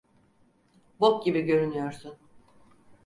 Bok gibi görünüyorsun.